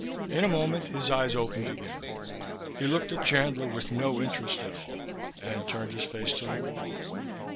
In a moment his eyes opened again. He looked at Chandler with no interest at all, and turned his face to the wall.